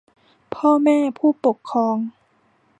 พ่อแม่ผู้ปกครอง